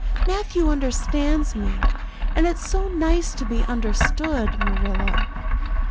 Matthew understands me, and it's so nice to be understood, Marilla."